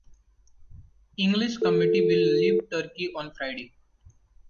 English committee will leave Turkey on Friday.